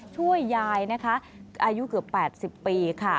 ช่วยยายนะคะอายุเกือบ๘๐ปีค่ะ